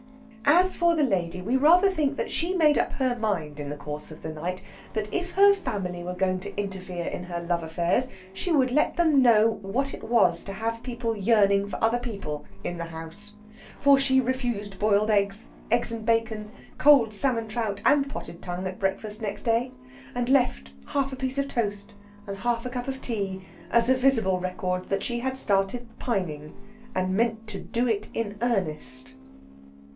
As for the lady, we rather think she made up her mind in the course of the night that if her family were going to interfere with her love affairs, she would let them know what it was to have people yearning for other people in the house. For she refused boiled eggs, eggs and bacon, cold salmon trout, and potted tongue at breakfast next day, and left half a piece of toast and half a cup of tea as a visible record that she had started pining, and meant to do it in earnest.